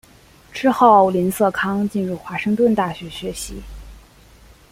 之后林瑟康进入华盛顿大学学习。